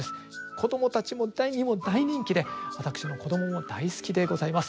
子どもたちにも大人気で私の子どもも大好きでございます。